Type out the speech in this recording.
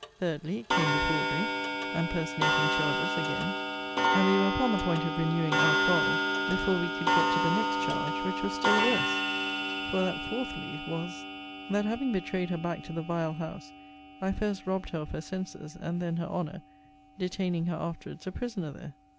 3dly, Came the forgery, and personating charges again; and we were upon the point of renewing out quarrel, before we could get to the next charge: which was still worse. For that (4thly) was 'That having betrayed her back to the vile house, I first robbed her of her senses, and then her honour; detaining her afterwards a prisoner there.'